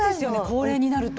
高齢になると。